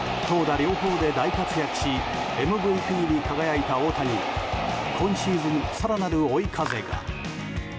投打両方で大活躍しＭＶＰに輝いた大谷に今シーズン、更なる追い風が。